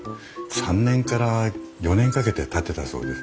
３年から４年かけて建てたそうです。